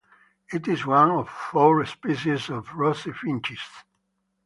It is one of four species of rosy finches.